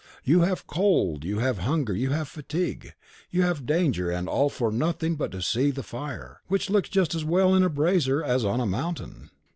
You have cold, you have hunger, you have fatigue, you have danger, and all for nothing but to see fire, which looks just as well in a brazier as on a mountain.